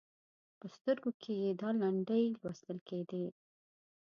په سترګو کې یې دا لنډۍ لوستل کېدې: